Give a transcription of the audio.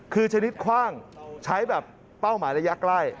คือชนิดคว่างใช้แบบเป้าหมายระยะใกล้